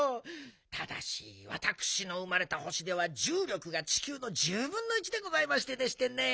ただしわたくしの生まれたほしではじゅうりょくがちきゅうの１０ぶんの１でございましてでしてね